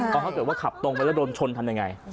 ต้องเข้าใจว่าขับตรงไปแล้วโดนชนทำยังไง